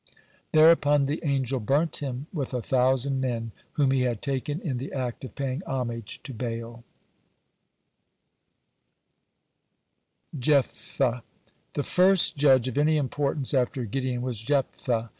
Thereupon the angel burnt him with a thousand men, whom he had taken in the act of paying homage to Baal. (105) JEPHTHAH The first judge of any importance after Gideon was Jephthah.